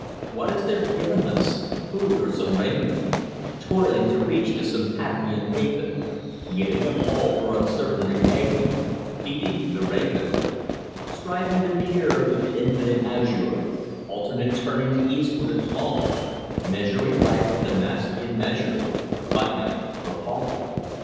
What is there given us? Food and some raiment, Toiling to reach to some Patmian haven, Giving up all for uncertain repayment, Feeding the raven! Striving to peer through the infinite azure, Alternate turning to earthward and falling, Measuring life with Damastian measure, Finite, appalling.